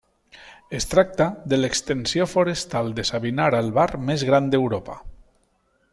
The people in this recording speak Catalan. Es tracta de l'extensió forestal de Savinar Albar més gran d'Europa.